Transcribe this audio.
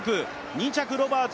２着ロバーツ